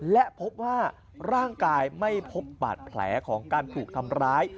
และพบว่าร่างกายไม่พบบาดแผลของการถูกทำร้าย